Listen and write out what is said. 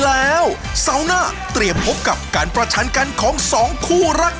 และแน่นอนนะครับเราจะกลับมาสรุปกันต่อนะครับกับรายการสุขที่รักของเรานะครับ